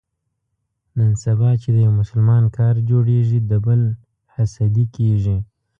نن سبا چې د یو مسلمان کار جوړېږي، د بل حسدي کېږي.